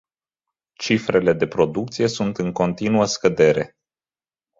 Cifrele de producție sunt în continuă scădere.